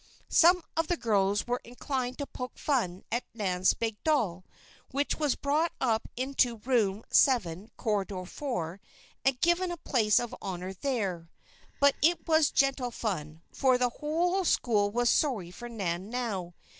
Some of the girls were inclined to poke fun at Nan's big doll, which was brought up into Room Seven, Corridor Four, and given a place of honor there. But it was gentle fun, for the whole school was sorry for Nan now.